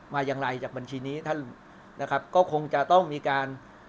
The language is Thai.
มาอย่างไรจากบัญชีนี้ท่านนะครับก็คงจะต้องมีการ